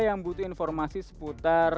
yang butuh informasi seputar